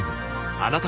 あなたも